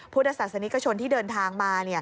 พุทธศาสนิกชนที่เดินทางมา